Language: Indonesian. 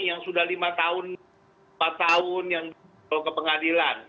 yang sudah lima tahun empat tahun yang dibawa ke pengadilan